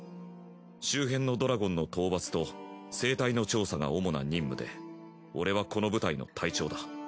周辺のドラゴンの討伐と生態の調査がおもな任務で俺はこの部隊の隊長だ。